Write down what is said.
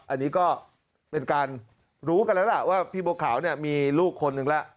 อันนี้ก็เป็นการรู้กันแล้วล่ะว่าพี่บัวขาวเนี่ยมีลูกคนหนึ่งแล้ว